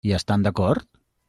Hi estan d'acord?